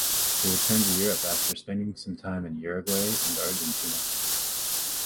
He returned to Europe after spending some time in Uruguay and Argentina.